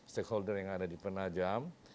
stakeholder yang ada di penajam